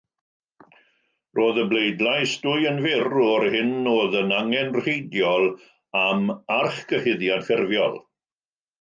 Roedd y bleidlais dwy yn fyr o'r hyn oedd yn angenrheidiol am archgyhuddiad ffurfiol.